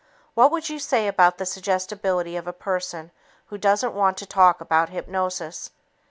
What would you say about the suggestibility of a person who doesn't want to talk about hypnosis?